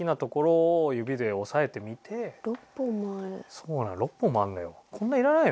そうなの６本もあるのよ。